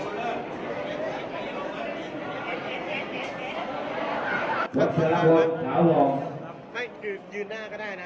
น้องน้องจะพูดหนึ่งนะครับร่างกายสูงรุ่นเสียงแรงนะครับ